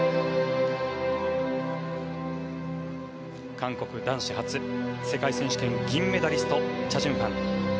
韓国男子初世界選手権の銀メダリストチャ・ジュンファン。